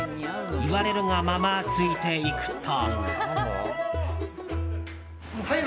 言われるがまま、ついていくと。